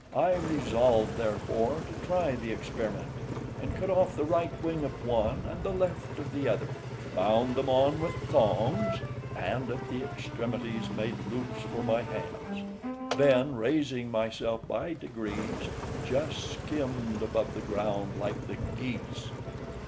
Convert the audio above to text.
I resolved, therefore, to try the experiment, and cut off the right wing of one, and the left of the other; bound them on with thongs, and at the extremities made loops for my hands; then, raising myself by degrees, just skimmed above the ground, like the geese.